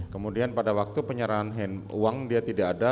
kemudian pada waktu penyerahan uang dia tidak ada